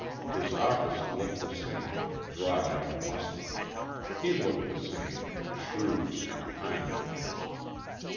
His office looked the same dry and musty. He looked the same shrewd and kindly.